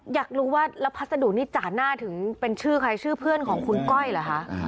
อยากรู้ว่าแล้วพัสดุนี่จ่าหน้าถึงเป็นชื่อใครชื่อเพื่อนของคุณก้อยเหรอคะ